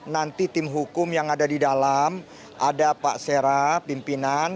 nanti tim hukum yang ada di dalam ada pak sera pimpinan